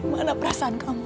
mana perasaan kamu